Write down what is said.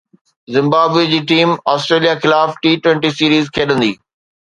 Zimbabwe جي team Australia خلاف T twenty series کيڏندي